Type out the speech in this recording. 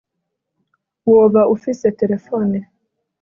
woba ufise telefone